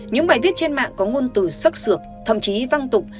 những bài viết trên mạng có ngôn từ sắc sược thậm chí văng tục